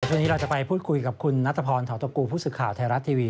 วันนี้เราจะไปพูดคุยกับคุณนัทพรเทาตะกูผู้สื่อข่าวไทยรัฐทีวี